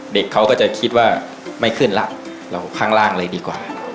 เด็กเขาก็จะคิดว่าไม่ขึ้นแล้วเราข้างล่างเลยดีกว่า